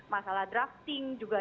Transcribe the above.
masalah drafting juga